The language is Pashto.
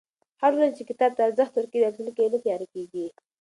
هغه ټولنه چې کتاب ته ارزښت ورکوي، راتلونکی یې نه تیاره کېږي.